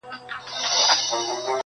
داسي به ډیرو وي پخوا لیدلی-